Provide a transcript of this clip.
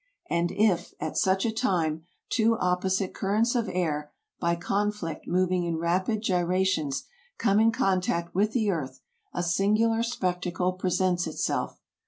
And if, at such a time, two opposite currents of air, by conflict moving in rapid gyra tions, come in contact with the earth, a singular spectacle presents itself.